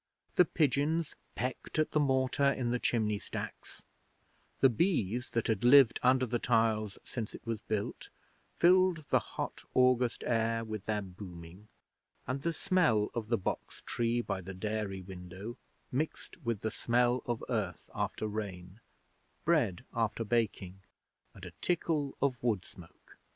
The pigeons pecked at the mortar in the chimney stacks; the bees that had lived under the tiles since it was built filled the hot August air with their booming; and the smell of the box tree by the dairy window mixed with the smell of earth after rain, bread after baking, and a tickle of wood smoke.